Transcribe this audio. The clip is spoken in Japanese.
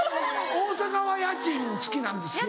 大阪は家賃好きなんですよ。